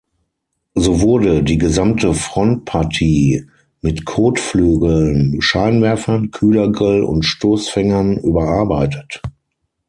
So wurde die gesamte Frontpartie mit Kotflügeln, Scheinwerfern, Kühlergrill und Stoßfängern überarbeitet.